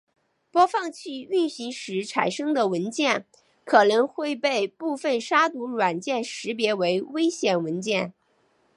播放器运行时产生的文件可能会被部分杀毒软件识别为危险文件。